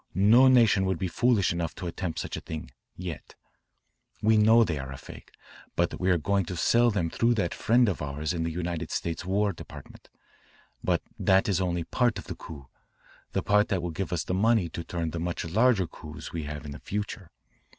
No nation would be foolish enough to attempt such a thing, yet. We know that they are a fake. But we are going to sell them through that friend of ours in the United States War Department. But that is only part of the coup, the part that will give us the money to turn the much larger coups we have in the future.